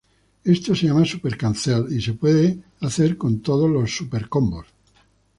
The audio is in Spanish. Esto se llama "Super Cancel" y se puede hacer con todos los Super Combos.